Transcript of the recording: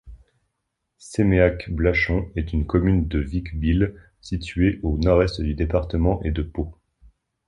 Séméacq-Blachon est une commune du Vic-Bilh, située au nord-est du département et de Pau.